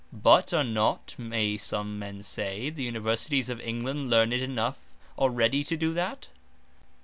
But are not (may some men say) the Universities of England learned enough already to do that?